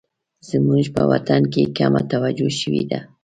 زموږ په وطن کې کمه توجه شوې ده